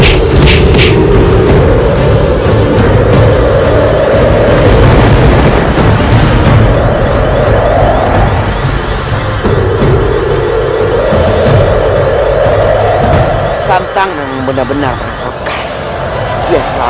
aku harus letakkan tangannya ke arbetsluargo